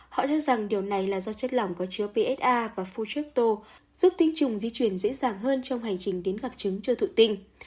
họ thức rằng điều này là do chất lỏng có chứa psa và phu chất tô giúp tinh trùng di chuyển dễ dàng hơn trong hành trình đến gặp trứng chưa thụ tinh